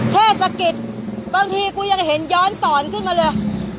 เทศกิจบางทีกูยังเห็นย้อนสอนขึ้นมาเลย